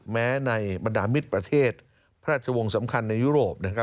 แม้ในบรรดามิตรประเทศพระราชวงศ์สำคัญในยุโรป